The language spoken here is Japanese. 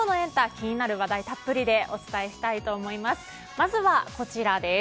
気になる話題たっぷりでお伝えしたいと思います。